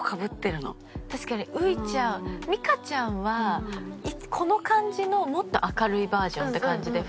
確かに羽衣ちゃんみかちゃんはこの感じのもっと明るいバージョンって感じで普段。